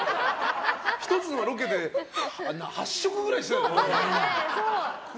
１つのロケで８食ぐらいしてたよね。